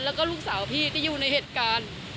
แล้วก็ลูกสาวพี่ที่อยู่ในเหตุการณ์